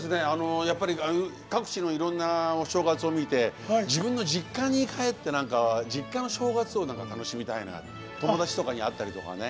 各地のいろんなお正月を見て自分の実家に帰って実家の正月を楽しみたいなって友達とかに会ったりね